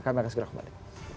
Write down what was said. kami akan segera kembali